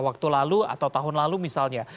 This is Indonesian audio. waktu lalu atau tahun lalu misalnya